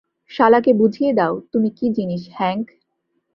শালাকে বুঝিয়ে দাও তুমি কি জিনিস, হ্যাংক।